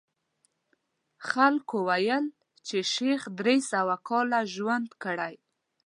خلکو ویل چې شیخ درې سوه کاله ژوند کړی.